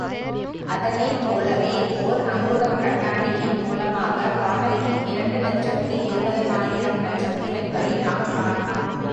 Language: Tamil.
அதனைப்போலவே, ஓர் அங்குலக் கண்ணாடியின் மூலமாக வானத்தின் இரண்டு லட்சத்து இருபதனாயிரம் நட்சத்திரங்களை நாம் காணலாம்.